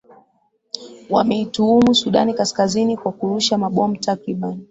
wameituhumu sudan kaskazini kwa kurusha mabomu takriban